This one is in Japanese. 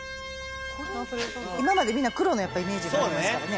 みんな黒のイメージがありますからね。